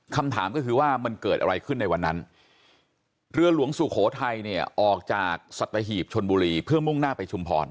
คำถามก็คือว่ามันเกิดอะไรขึ้นในวันนั้นเรือหลวงสุโขทัยเนี่ยออกจากสัตหีบชนบุรีเพื่อมุ่งหน้าไปชุมพร